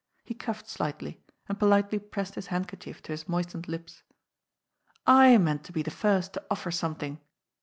He coughed slightly and politely pressed his handkerchief to his moistened lips. "I meant to be the first to offer something."